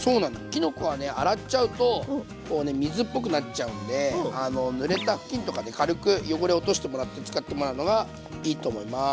きのこはね洗っちゃうとこうね水っぽくなっちゃうんでぬれた布巾とかで軽く汚れを落としてもらって使ってもらうのがいいと思います。